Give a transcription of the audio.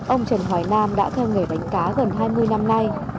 ông trần hoài nam đã theo nghề đánh cá gần hai mươi năm nay